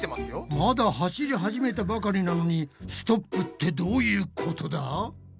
まだ走り始めたばかりなのにストップってどういうことだ？